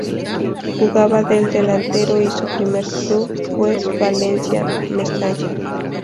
Jugaba de delantero y su primer club fue el Valencia Mestalla.